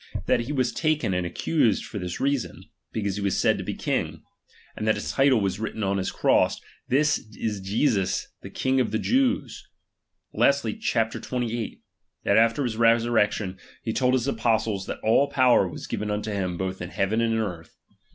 that he was taken and accused ^^ft for this reason, because he said he was a king rand ^H that a title was written on his cross, this is Jesus ^^M the king of the Jews : lastly, chap, xxviii., that ^^H after his resurrection, he told his apostles that all power was given unto him both in heaven and in ciiap.xvui earth.